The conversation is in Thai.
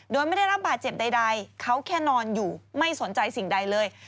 โดยไม่ได้รับบาดเจ็บใดเขาแค่นอนอยู่ไม่สนใจสิ่งใดเลย